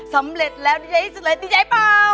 สำเร็จแล้วดีใจพี่หมูฝึกสิละดีใจปอล์